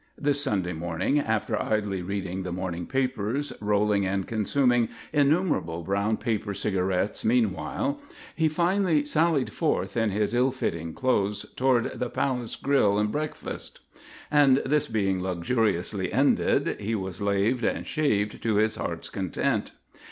This Sunday morning, after idly reading the morning papers, rolling and consuming innumerable brown paper cigarettes meanwhile, he finally sallied forth in his ill fitting clothes toward the Palace grill and breakfast. And this being luxuriously ended, he was laved and shaved to his heart's content.